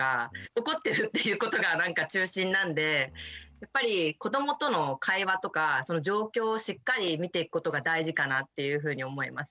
怒ってるっていうことがなんか中心なんでやっぱり子どもとの会話とかその状況をしっかり見ていくことが大事かなっていうふうに思いました。